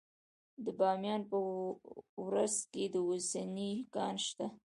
د بامیان په ورس کې د وسپنې کان شته.